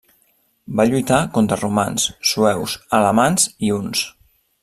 Va lluitar contra romans, sueus, alamans i huns.